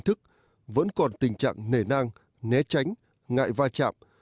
công tác tổ chức vẫn còn tình trạng nể nang né tránh ngại va chạm